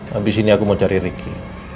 habis ini aku mau cari ricky